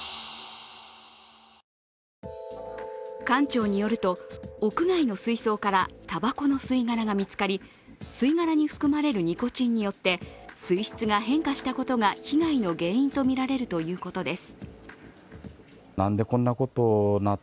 館長によると、屋外の水槽からたばこの吸い殻が見つかり吸い殻に含まれるニコチンによって水質が変化したことが被害の原因とみられるということです。